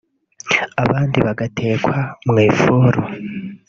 abandi bagatekwa mu ifuru